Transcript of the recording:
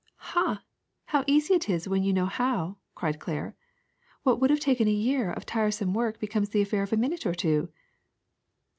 ''Ha! how easy it is when you know how!" cried Claire. "What would have taken a year of tiresome work becomes the affair of a minute or two."